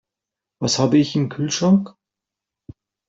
Was habe ich im Kühlschrank?